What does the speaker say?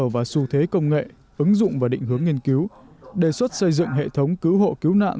và xu thế công nghệ ứng dụng và định hướng nghiên cứu đề xuất xây dựng hệ thống cứu hộ cứu nạn